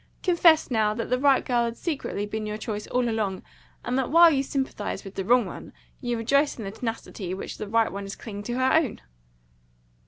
Confess, now, that the right girl has secretly been your choice all along, and that while you sympathise with the wrong one, you rejoice in the tenacity with which the right one is clinging to her own!"